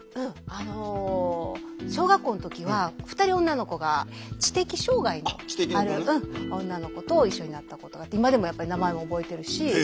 あの小学校の時は２人女の子が知的障害のある女の子と一緒になったことがあって今でもやっぱり名前も覚えてるし。